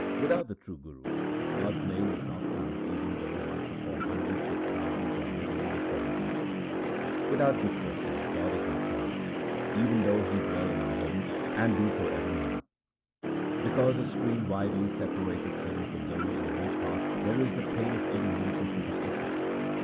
Without the true Guru, God's name is not found even though one perform hundreds of thousands and millions of ceremonies. Without good fortune God is not found, even though He dwell in our homes and be for ever near, Because a screen widely separateth Him from those in whose hearts there is the pain of ignorance and superstition.